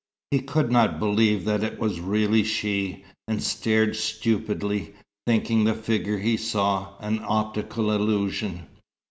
He could not believe that it was really she, and stared stupidly, thinking the figure he saw an optical illusion.